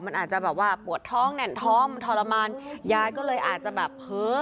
มันอาจจะแบบว่าปวดท้องแน่นท้องมันทรมานยายก็เลยอาจจะแบบเผลอ